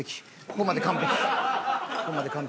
ここまで完璧。